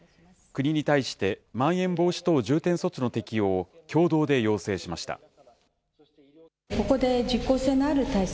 国に対して、まん延防止等重点措置の適用を共同で要請しました。